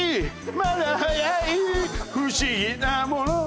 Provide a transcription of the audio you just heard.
まだ早い」「不思議なもの」